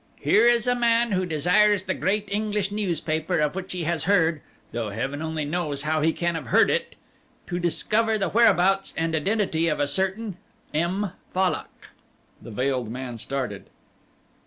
"Here is a man who desires the great English newspaper, of which he has heard (though Heaven only knows how he can have heard it), to discover the whereabouts and the identity of a certain M. Fallock." The veiled man started.